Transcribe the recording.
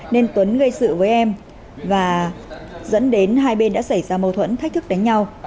nên tuấn gây sự với em và dẫn đến hai bên đã xảy ra mâu thuẫn thách thức đánh nhau